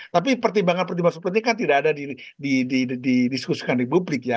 tapi pertimbangan pertimbangan seperti ini kan tidak ada di diskusikan di publik ya